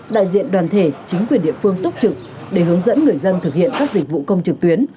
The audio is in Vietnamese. đại diện đoàn thể chính quyền địa phương túc trực để hướng dẫn người dân thực hiện các dịch vụ công trực tuyến